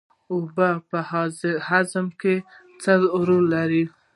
اوبه په هاضمه کې څه رول لري